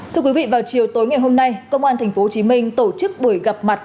thưa quý vị vào chiều tối ngày hôm nay công an tp hcm tổ chức buổi gặp mặt